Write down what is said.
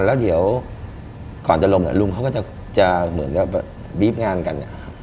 แล้วเดี๋ยวก่อนจะลงลุงเขาก็จะบีฟงานกัน